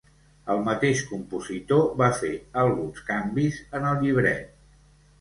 El mateix compositor va fer alguns canvis en el llibret.